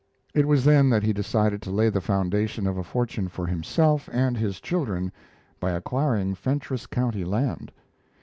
It was then that he decided to lay the foundation of a fortune for himself and his children by acquiring Fentress County land.